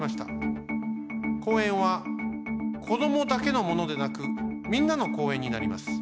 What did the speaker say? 公園はこどもだけのものでなくみんなの公園になります。